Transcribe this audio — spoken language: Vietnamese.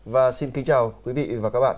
và xin kính chào quý vị và các bạn